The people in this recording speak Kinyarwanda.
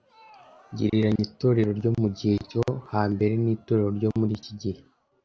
Gereranya itorero ryo mu gihe cyo hambere n’itorero ryo muri iki gihe